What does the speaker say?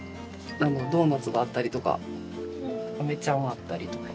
ドーナツがあったりとかあめちゃんがあったりとか。